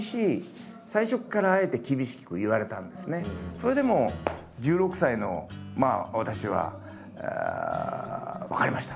それでも１６歳の私は「分かりました。